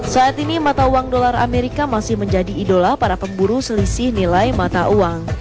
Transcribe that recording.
saat ini mata uang dolar amerika masih menjadi idola para pemburu selisih nilai mata uang